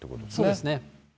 そうですね。